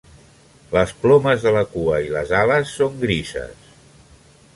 Les plomes de la cua i les ales són grises.